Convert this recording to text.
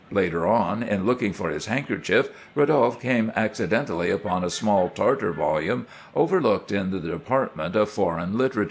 Later on, in looking for his handkerchief, Rodolphe came accidentally upon a small Tartar volume, overlooked in the department of foreign literature.